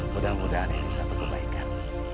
mudah mudahan ini satu kebaikan